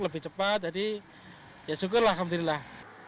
lebih cepat jadi ya syukur alhamdulillah